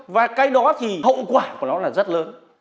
và cái đó thì hậu quả của nó là rất lớn